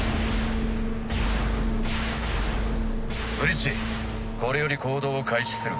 ブリッジこれより行動を開始する。